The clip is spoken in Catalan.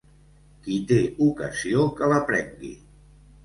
Qui té ocasió que la prengui.